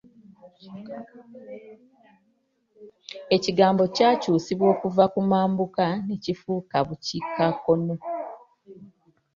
Ekigambo kyakyusibwa okuva ku mambuka ne kifuuka bukiikakkono.